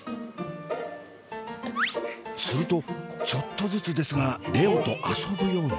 するとちょっとずつですが蓮音と遊ぶように。